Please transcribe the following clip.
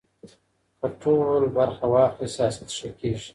که ټول برخه واخلي سیاست ښه کیږي.